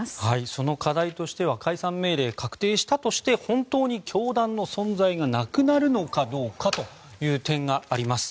その課題としては解散命令が確定したとして本当に教団の存在がなくなるのかどうかという点があります。